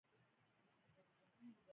دا مرغه په ازادۍ الوت کوي.